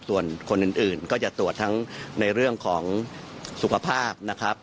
ส่วนคนอื่นก็จะตรวจทั้งในเรื่องของสุขภาพนะครับ